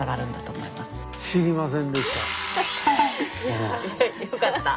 よかった。